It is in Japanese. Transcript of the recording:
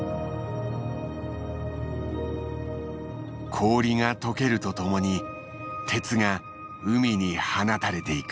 氷がとけるとともに鉄が海に放たれていく。